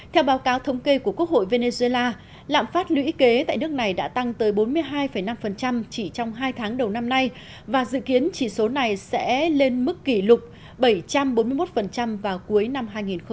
theo báo cáo thống kê của quốc hội venezuela lạm phát lũy kế tại nước này đã tăng tới bốn mươi hai năm chỉ trong hai tháng đầu năm nay và dự kiến chỉ số này sẽ lên mức kỷ lục bảy trăm bốn mươi một vào cuối năm hai nghìn hai mươi